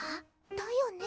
だよね？